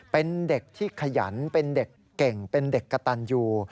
เป็นเด็กที่ขยันเป็นเด็กเก่งเป็นเด็กกระตันยู